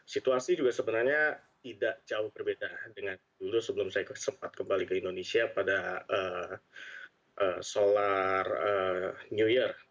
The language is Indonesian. situasi juga sebenarnya tidak jauh berbeda dengan dulu sebelum saya sempat kembali ke indonesia pada solar new year